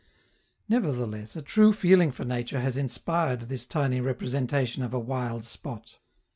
Nevertheless, a true feeling for nature has inspired this tiny representation of a wild spot.